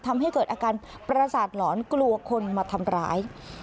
ทำให้เกิดอาการประสาทหลอนกลัวคนมาทำร้าย